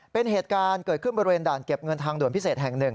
เป็นเหตุการณ์เกิดขึ้นบริเวณด่านเก็บเงินทางด่วนพิเศษแห่ง๑